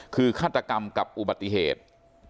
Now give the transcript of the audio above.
คือฆาตกรรมกับอุบัติเหตุ